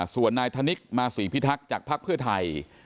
ส่วนนายธนิกมาศรีพิทักษ์จากภักดิ์เพื่อไทย